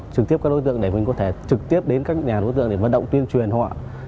các đối tượng để mình có thể trực tiếp đến các nhà đối tượng để vận động tuyên truyền họ